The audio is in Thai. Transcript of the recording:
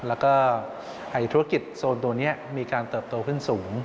แล้วก็ธุรกิจโซนตัวนี้มีการเติบโตขึ้นสูง